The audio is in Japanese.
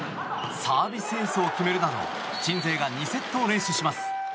サービスエースを決めるなど鎮西が２セットを連取します。